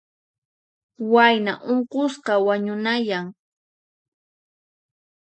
Wayna unqusqa wañunayan.